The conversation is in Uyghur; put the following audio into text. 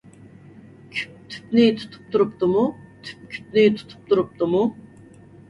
كۈپ تۈپنى تۇتۇپ تۇرۇپتىمۇ؟ تۈپ كۈپنى تۇتۇپ تۇرۇپتىمۇ؟